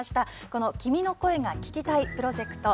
この「君の声が聴きたい」プロジェクト。